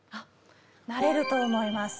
なれると思います。